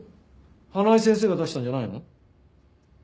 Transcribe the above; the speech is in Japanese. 花井先生が出したんじゃないの？